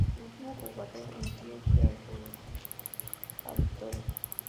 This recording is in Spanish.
El último jugador en pie se adjudica la victoria.